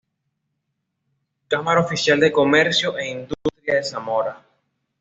Cámara Oficial de Comercio e Industria de Zamora